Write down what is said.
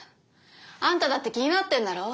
あんただって気になってんだろ？